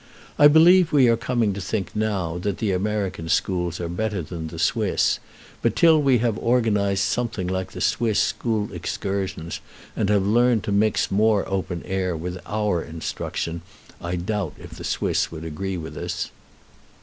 I believe we are coming to think now that the American schools are better than the Swiss; but till we have organized something like the Swiss school excursions, and have learned to mix more open air with our instruction, I doubt if the Swiss would agree with us.